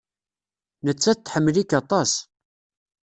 Nettat tḥemmel-ik aṭas.